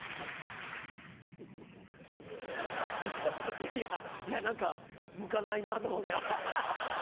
いやいや何か向かないなぁと思ってハハハ！